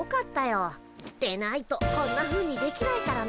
でないとこんなふうにできないからね。